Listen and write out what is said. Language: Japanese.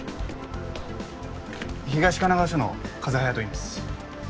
東神奈川署の風早といいます。